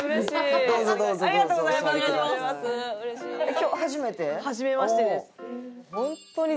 今日初めて？